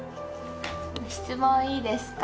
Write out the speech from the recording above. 質問いいですか？